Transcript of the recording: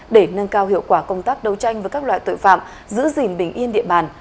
để nâng cao hiệu quả công tác đấu tranh với các loại tội phạm giữ gìn bình yên địa bàn